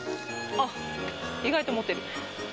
あっ意外と持てる。